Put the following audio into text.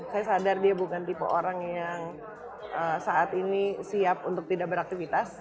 saya sadar dia bukan tipe orang yang saat ini siap untuk tidak beraktivitas